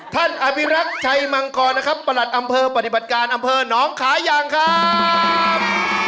ภิรักษ์ชัยมังกรนะครับประหลัดอำเภอปฏิบัติการอำเภอน้องขายังครับ